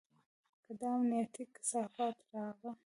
که دا امنيتي کثافات راغله.